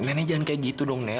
nenek jangan kayak gitu dong nek